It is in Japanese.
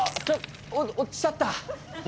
落ちちゃった。